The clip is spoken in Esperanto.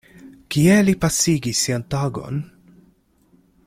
Kie li pasigis sian tagon?